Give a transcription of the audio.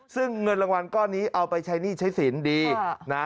ซึ่งเงินรางวัลก้อนนี้เอาไปใช้หนี้ใช้สินดีนะ